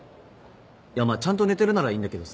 いやまあちゃんと寝てるならいいんだけどさ。